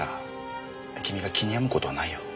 だから君が気に病む事はないよ。